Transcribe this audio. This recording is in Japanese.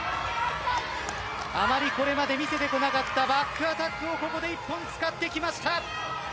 あまりこれまで見せてこなかったバックアタックをここで１本、使ってきました。